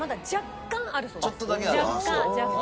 若干若干。